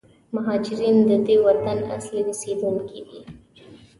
مهارجرین د دې وطن اصلي اوسېدونکي دي.